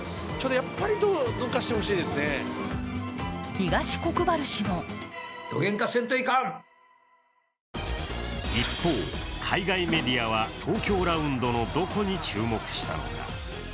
東国原氏も一方、海外メディアは東京ラウンドのどこに注目したのか。